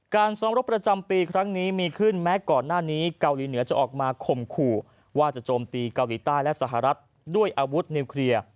ซ้อมรบประจำปีครั้งนี้มีขึ้นแม้ก่อนหน้านี้เกาหลีเหนือจะออกมาข่มขู่ว่าจะโจมตีเกาหลีใต้และสหรัฐด้วยอาวุธนิวเคลียร์